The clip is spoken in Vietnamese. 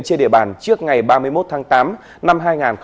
trên địa bàn trước ngày ba mươi một tháng tám năm hai nghìn hai mươi